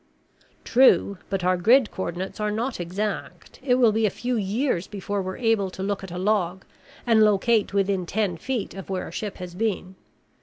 "True, but our grid coordinates are not exact. It will be a few years before we're able to look at a log and locate within ten feet of where a ship has been."